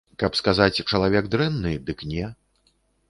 Каб сказаць чалавек дрэнны, дык не.